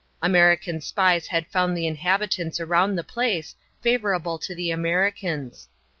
American spies had found the inhabitants around the place favorable to the Americans.